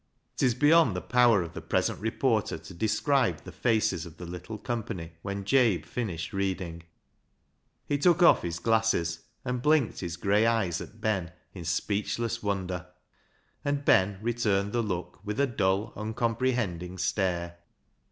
It is be}'ond the power of the present reporter to describe the faces of the little company when Jabe finished reading. He took off his glasses and blinked his grey e3^es at Ben in speechless wonder, and Ben returned the look with a dull, uncomprehending stare.